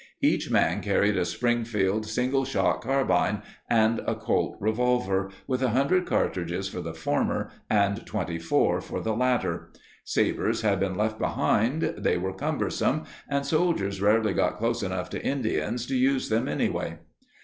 Each man carried a Springfield single shot carbine and a Colt revolver, with 100 cartridges for the former and 24 for the latter. Sabers had been left behind; they were cumbersome and soldiers rarely got close enough to Indians to use them anyway.